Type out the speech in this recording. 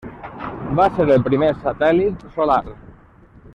Va ser el primer satèl·lit solar.